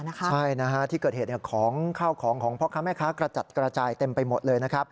ใช่ที่เกิดเหตุของข้าวของของพ่อค้าแม่ค้ากระจัดกระจายเต็มไปหมดเลยนะครับ